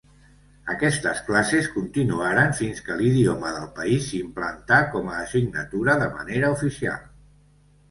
Aquestes classes continuaren fins que l'idioma del país s'implantà com a assignatura de manera oficial.